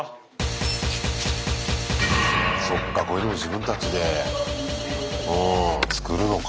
そっかこういうの自分たちで作るのか。